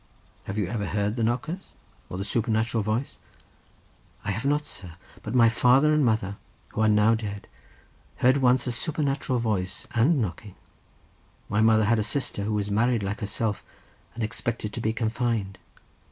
"Have you ever heard the knockers, or the supernatural voice?" "I have not, sir; but my father and mother, who are now dead, heard once a supernatural voice, and knocking. My mother had a sister who was married like herself, and expected to be confined.